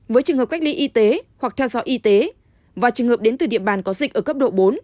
với trường hợp cách ly y tế hoặc theo dõi y tế và trường hợp đến từ địa bàn có dịch ở cấp độ bốn